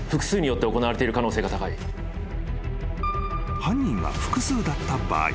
［犯人が複数だった場合］